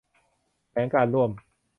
แถลงการณ์ร่วม